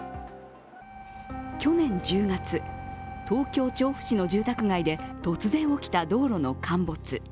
去年１０月、東京・調布市の住宅街で突然起きた道路の陥没。